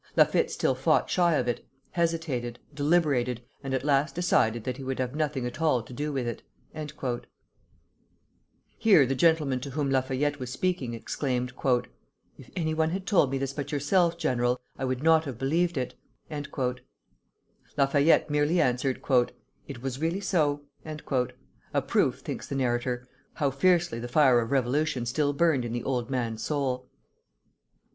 Laffitte still fought shy of it, hesitated, deliberated, and at last decided that he would have nothing at all to do with it." [Footnote 1: Vincent Nolte, Fifty Years in Two Hemispheres.] Here the gentleman to whom Lafayette was speaking exclaimed, "If any one had told me this but yourself, General, I would not have believed it." Lafayette merely answered, "It was really so," a proof, thinks the narrator, how fiercely the fire of revolution still burned in the old man's soul.